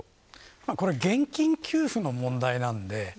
現金給付の問題なので。